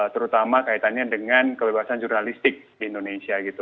terutama kaitannya dengan kebebasan jurnalistik di indonesia gitu